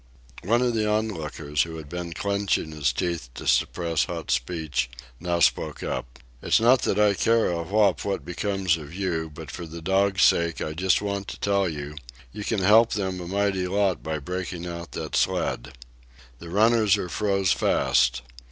One of the onlookers, who had been clenching his teeth to suppress hot speech, now spoke up:— "It's not that I care a whoop what becomes of you, but for the dogs' sakes I just want to tell you, you can help them a mighty lot by breaking out that sled. The runners are froze fast.